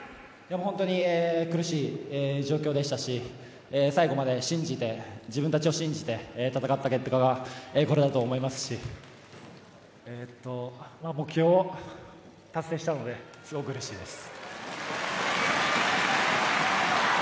本当に苦しい状況でしたし最後まで自分たちを信じて戦った結果がこれだと思いますし目標を達成したのですごくうれしいです。